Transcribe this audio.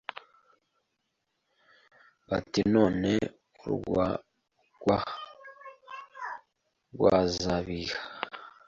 bati none urwagwa rwazabiha